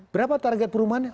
berapa target perumahannya